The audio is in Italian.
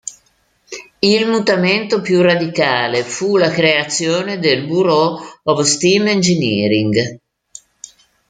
Il mutamento più radicale fu la creazione del "Bureau of Steam Engineering".